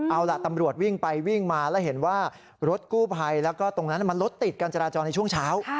เอาล่ะตำรวจวิ่งไปวิ่งมาแล้วเห็นว่ารถกู้ภัยแล้วก็ตรงนั้นมันรถติดการจราจรในช่วงเช้า